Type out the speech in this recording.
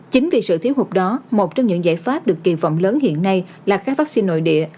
chính vì sự thiếu hụt đó một trong những giải pháp được kỳ vọng lớn hiện nay là các vaccine nội địa